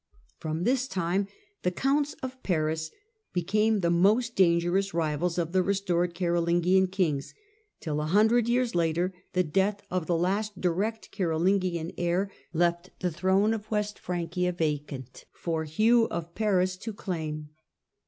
From this time the Counts of Paris became the most dangerous rivals of the restored Carolingian kings, till, a hundred years later, the death of the last direct Carolingian heir left the throne of West Francia vacant for Hugh of Paris to claim.